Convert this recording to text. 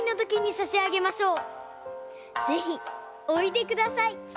ぜひおいでください。